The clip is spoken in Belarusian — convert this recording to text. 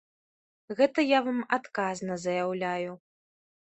Гэта я вам адказна заяўляю.